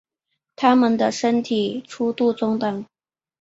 它们的身体粗度中等。